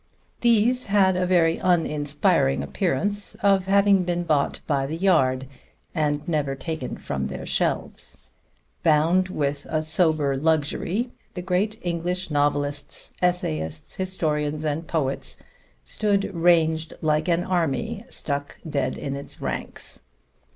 These had a very uninspiring appearance of having been bought by the yard and never taken from their shelves. Bound with a sober luxury, the great English novelists, essayists, historians and poets stood ranged like an army struck dead in its ranks.